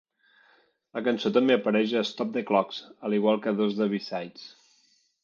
La cançó també apareix a "Stop the Clocks", a l'igual que dos de B-sides.